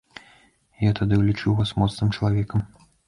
Я тады лічыў вас моцным чалавекам.